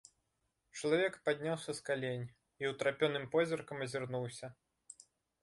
Чалавек падняўся з калень і ўтрапёным позіркам азірнуўся.